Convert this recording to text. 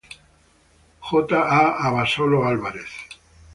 J. A. Abasolo Álvarez.